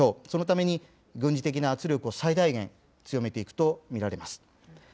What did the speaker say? そのために、軍事的な圧力を最大限強めていくと見られます。